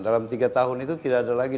dalam tiga tahun itu tidak ada lagi